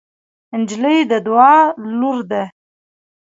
نجلۍ د دعا لور ده.